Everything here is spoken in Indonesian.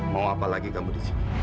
mau apa lagi kamu di sini